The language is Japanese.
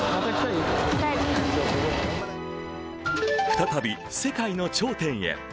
再び世界の頂点へ。